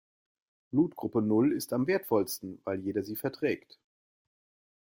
Blutgruppe Null ist am wertvollsten, weil jeder sie verträgt.